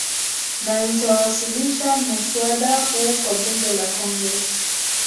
na nitawasilisha muswada huu kwa bunge la congress